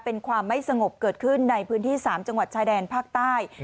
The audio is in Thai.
เป็นความไม่สงบเกิดขึ้นในพื้นที่๓จังหวัดชายแดนภาคใต้